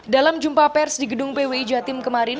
dalam jumpa pers di gedung pwi jatim kemarin